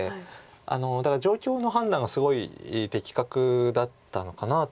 だから状況の判断がすごい的確だったのかなとは思います。